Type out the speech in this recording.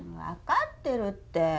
分かってるって。